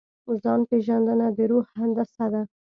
ځان پېژندنه د روح هندسه ده.